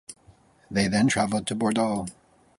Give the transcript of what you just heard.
They then travelled to Bordeaux.